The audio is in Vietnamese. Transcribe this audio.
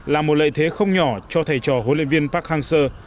là một lợi thế không nhỏ cho thầy trò huấn luyện viên park hang seo